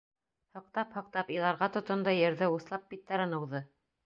Һыҡтап-һыҡтап иларға тотондо, ерҙе услап биттәрен ыуҙы.